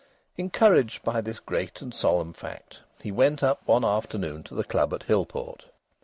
Encouraged by this great and solemn fact, he went up one afternoon to the club at Hillport.